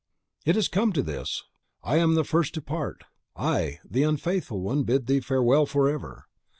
"It has come to this! I am the first to part! I, the unfaithful one, bid thee farewell forever.